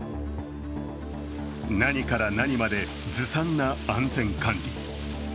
何から何までずさんな安全管理。